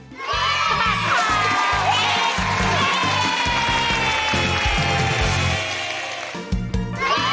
สบัดข่าวเด็ก